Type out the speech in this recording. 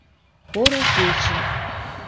Поро кече!